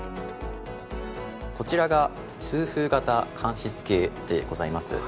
こちらが通風型乾湿計でございます。